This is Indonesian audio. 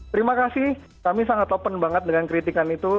terima kasih kami sangat open banget dengan kritikan itu